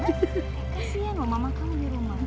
kasian sama mama kamu di rumah